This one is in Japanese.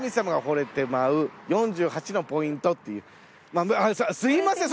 あっすいません